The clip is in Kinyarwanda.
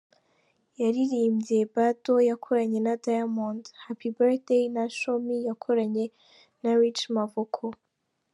Yaririmbye “Bado” yakoranye na Diamond, “Happy Birthday” na “Show Me” yakoranye na Rich Mavoko.